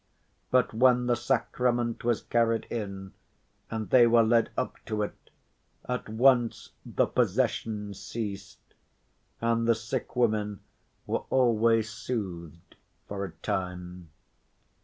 But when the sacrament was carried in and they were led up to it, at once the "possession" ceased, and the sick women were always soothed for a time.